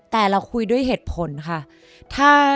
แต่เราคุยด้วยเหตุผลค่ะ